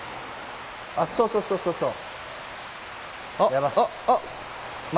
そうそうそうそうそう。